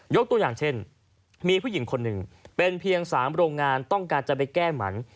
ตัวอย่างเช่นมีผู้หญิงคนหนึ่งเป็นเพียง๓โรงงานต้องการจะไปแก้หมัน